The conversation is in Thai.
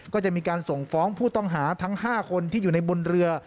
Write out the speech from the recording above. ก็จะมีการส่งฟ้องผู้ต้องหาทั้ง๕คนที่อยู่ในบนเรือ